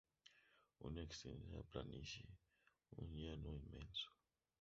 Una extensa planicie, un llano inmenso.